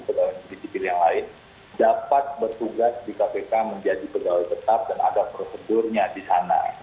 pegawai negeri sipil yang lain dapat bertugas di kpk menjadi pegawai tetap dan ada prosedurnya di sana